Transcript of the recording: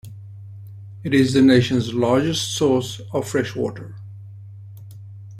It is the nation's largest source of freshwater.